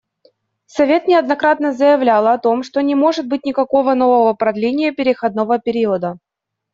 Совет неоднократно заявлял о том, что не может быть никакого нового продления переходного периода.